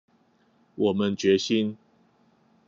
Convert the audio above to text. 我們決心